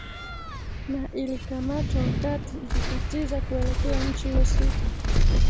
na ilikamatwa wakati ikikatiza kuelekea nchi husika